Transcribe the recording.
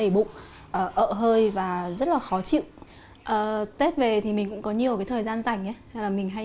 bụng ở hơi và rất là khó chịu tết về thì mình cũng có nhiều cái thời gian rảnh nhé là mình hay